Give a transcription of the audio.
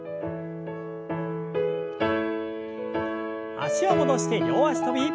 脚を戻して両脚跳び。